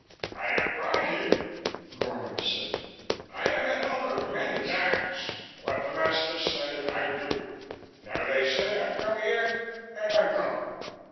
"I am brought here," Gornom said. "I am an elder many times. What the masters say, I do. Now they say I come here, and I come."